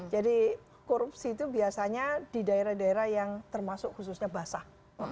jadi korupsi itu biasanya di daerah daerah yang termasuk khususnya basah